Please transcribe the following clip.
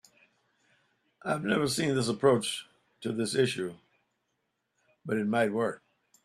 I have never seen this approach to this issue, but it might work.